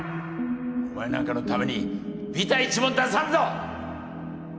お前なんかのためにびた一文出さんぞ！